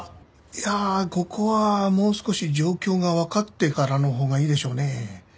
いやあここはもう少し状況がわかってからのほうがいいでしょうね。